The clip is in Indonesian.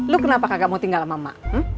lo kenapa kagak mau tinggal sama mba